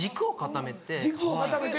軸を固めて。